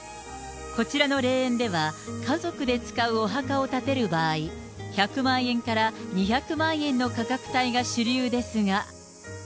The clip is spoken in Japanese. こちらの霊園では、家族で使うお墓を建てる場合、１００万円から２００万円の価格帯が主流ですが。